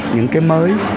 những cái mới